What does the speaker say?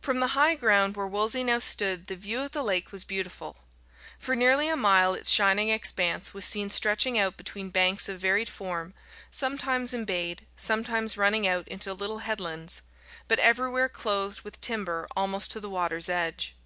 From the high ground where Wolsey now stood the view of the lake was beautiful. For nearly a mile its shining expanse was seen stretching out between banks of varied form, sometimes embayed, sometimes running out into little headlands, but everywhere clothed with timber almost to the water's edge.